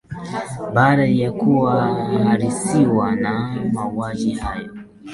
Baada ya kuwa wahasiriwa wa mauaji hayo